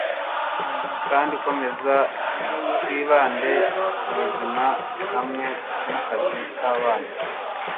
kandi komeza twibande kubuzima hamwe nakazi kabana